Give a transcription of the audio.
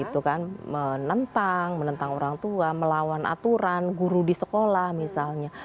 itu kan menentang menentang orang tua melawan aturan guru di sekolah misalnya